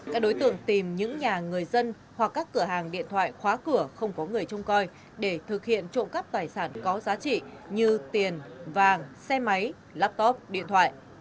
các đối tượng tìm những nhà người dân hoặc các cửa hàng điện thoại khóa cửa không có người trông coi để thực hiện trộm cắp tài sản có giá trị như tiền vàng xe máy laptop điện thoại